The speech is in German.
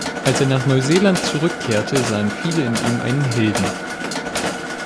Als er nach Neuseeland zurückkehrte, sahen viele in ihm einen Helden.